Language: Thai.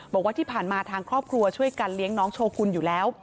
บอกว่าที่ผ่านมาทางครอบครัวช่วยกันเลี้ยงน้องโชคุณอยู่แล้ว